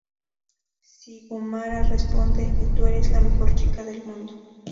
Sugimura responde, "...Y tú eres la mejor chica del mundo".